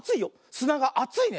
すながあついね。